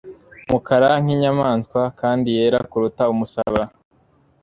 umukara nk'inyamaswa kandi yera kuruta umusaraba